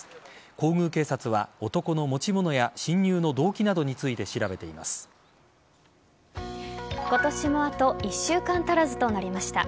皇宮警察は、男の持ち物や侵入の動機などについて今年もあと１週間足らずとなりました。